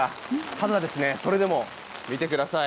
ただ、それでも見てください。